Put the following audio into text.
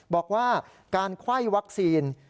บอกว่าการไขว้วัคซีน